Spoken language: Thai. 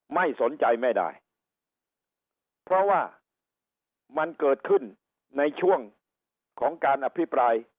ไม่สนใจไม่ได้เพราะว่ามันเกิดขึ้นในช่วงของการอภิปราย